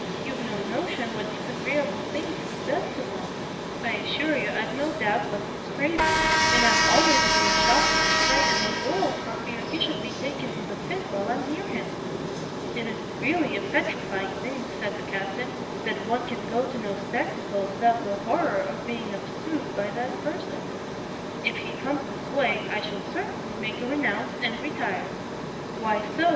You've no notion what disagreeable things he says to one. I assure you I've no doubt but he's crazy; and I'm always in the shockingest fright in the world for fear he should be taken with a fit while I'm near him." "It is really a petrifying thing," said the Captain, "that one can go to no spectacle without the horreur of being obsede by that person! if he comes this way, I shall certainly make a renounce, and retire." "Why so?"